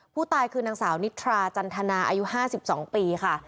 ผู้ตายคือนางสาวนิทราจันทนาอายุ๕๒ปีค่ะ